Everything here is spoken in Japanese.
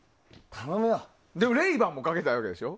レイバンもかけたいわけでしょ。